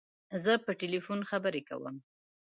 زه په تلیفون خبری کوم.